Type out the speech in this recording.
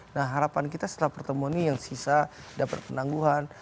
nah harapan kita setelah pertemuan ini yang sisa dapat penangguhan